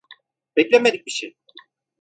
Beklenmedik bir şey.